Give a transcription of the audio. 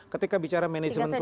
ketika bicara manajemen pemilu